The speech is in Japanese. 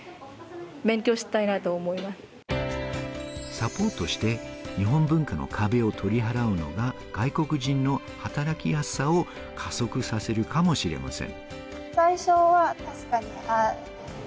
サポートして、日本文化の壁を取り払うのが外国人の働きやすさを加速させるかもしれません。